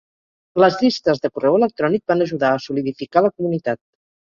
Les llistes de correu electrònic van ajudar a solidificar la comunitat.